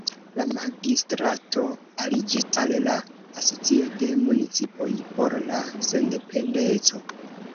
La magistrato aliĝis al la Asocio de Municipoj por la Sendependeco.